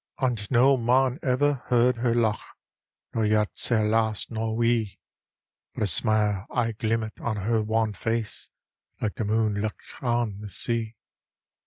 And no man ever heard her lauch, Nor yet say alas nor wae; But a smile aye glimmert on her wan face Like the moonlicht on the sea.